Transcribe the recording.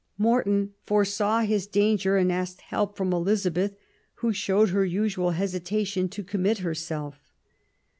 Morton foresaw his danger and asked help from Elizabeth, who showed her usual hesitation to commit herself.